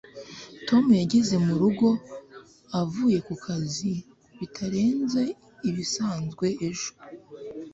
tom yageze murugo avuye kukazi bitarenze ibisanzwe ejo